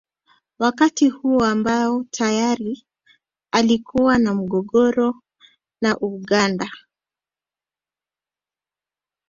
Wakati huo ambao tayari alikuwa na mgogoro na Uganda